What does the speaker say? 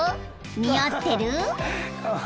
似合ってる？］